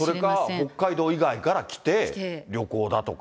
それか北海道以外から来て、旅行だとか。